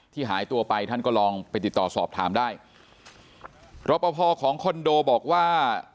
หายตัวไปท่านก็ลองไปติดต่อสอบถามได้รอปภของคอนโดบอกว่า